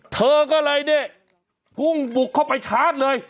เธอก็เลยเนี่ยพุ่งบุกเข้าไปชาร์จเลย